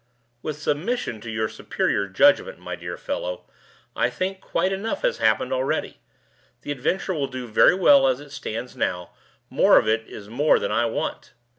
"With submission to your superior judgment, my dear fellow, I think quite enough has happened already. The adventure will do very well as it stands now; more of it is more than I want."